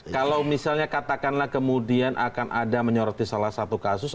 kalau misalnya katakanlah kemudian akan ada menyoroti salah satu kasus